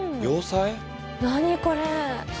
何これ？